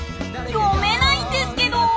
読めないんですけど！